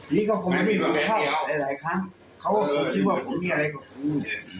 นี่ก็คงไม่โดนไปเข้าหลายหลายครั้งเขาคิดว่าผมมีอะไรกับครู